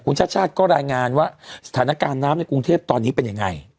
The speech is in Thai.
ชาติชาติก็รายงานว่าสถานการณ์น้ำในกรุงเทพตอนนี้เป็นยังไง